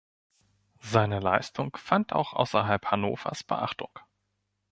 Seine Leistung fand auch außerhalb Hannovers Beachtung.